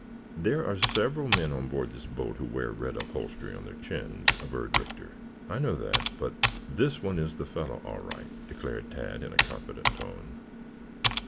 "There are several men on board this boat who wear red upholstery on their chins," averred Rector. "I know that, but this one is the fellow, all right," declared Tad in a confident tone.